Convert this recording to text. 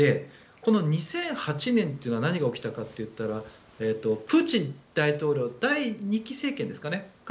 この２００８年というのは何が起きたかと言ったらプーチン大統領第２期政権ですかね。